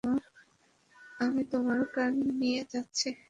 আমি তোমার কার নিয়ে যাচ্ছি।